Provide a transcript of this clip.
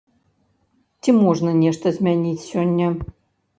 Ці можна нешта змяніць сёння?